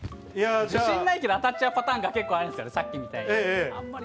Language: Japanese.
自信ないけど、当たっちゃうパターンが結構ありますよね、さっきみたいに。